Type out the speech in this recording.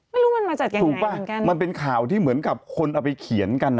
ไม่รู้มันมาจากยังไงถูกป่ะมันเป็นข่าวที่เหมือนกับคนเอาไปเขียนกันอ่ะ